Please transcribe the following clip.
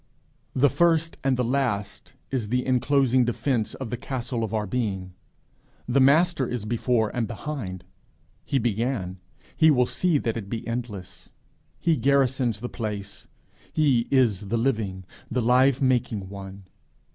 The First and the Last is the inclosing defence of the castle of our being; the Master is before and behind; he began, he will see that it be endless. He garrisons the place; he is the living, the live making one.